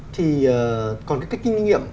thì còn cái kinh nghiệm